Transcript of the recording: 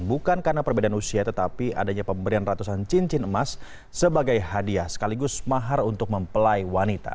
bukan karena perbedaan usia tetapi adanya pemberian ratusan cincin emas sebagai hadiah sekaligus mahar untuk mempelai wanita